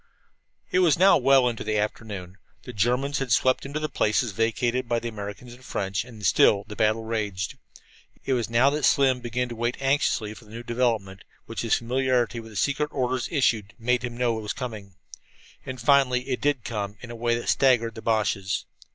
It was now well into the afternoon. The Germans had swept into the places vacated by the Americans and French, and still the battle raged. It was now that Slim began to wait anxiously for the new development, which his familiarity with the secret orders issued made him know was coming. And finally it did come, and in a way that staggered the Boches.